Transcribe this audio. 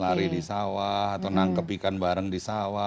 car free day di sawah atau nangkep ikan bareng di sawah